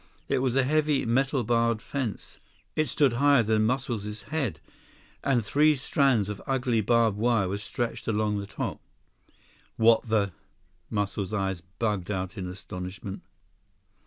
It was a heavy, metal barred fence. It stood higher than Muscles' head, and three strands of ugly barbed wire were stretched along the top. "What the—" Muscles' eyes bugged out in astonishment.